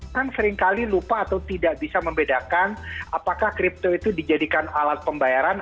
karena seringkali lupa atau tidak bisa membedakan apakah kripto itu dijadikan alat pembayaran